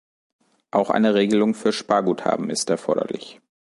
Auch eine Regelung für Sparguthaben ist erforderlich.